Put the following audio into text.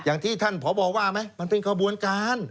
อย่างที่ท่านพบว่าไหมมันเป็นขบวนการ